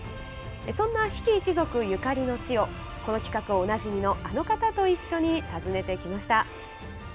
そんな比企一族ゆかりの地をこの企画おなじみのあの方と一緒に訪ねてきました。